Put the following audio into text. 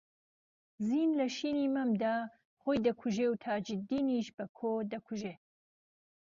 زین لە شینی مەمدا خۆی دەکوژێ و تاجدینیش بەکۆ دەکوژێ